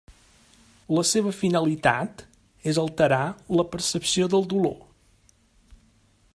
La seva finalitat és alterar la percepció del dolor.